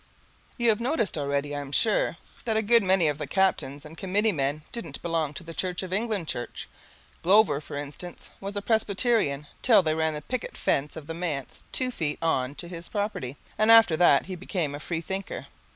You have noticed already, I am sure, that a good many of the captains and committee men didn't belong to the Church of England Church. Glover, for instance, was a Presbyterian, till they ran the picket fence of the manse two feet on to his property, and after that he became a free thinker.